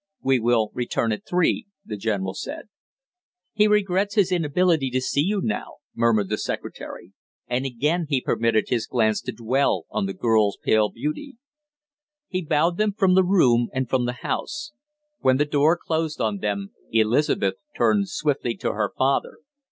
"We will return at three," the general said. "He regrets his inability to see you now," murmured the secretary, and again he permitted his glance to dwell on the girl's pale beauty. He bowed them from the room and from the house. When the door closed on them, Elizabeth turned swiftly to her father.